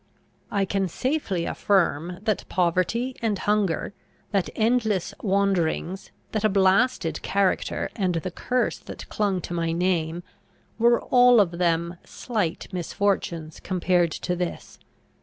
I can safely affirm, that poverty and hunger, that endless wanderings, that a blasted character and the curses that clung to my name, were all of them slight misfortunes compared to this.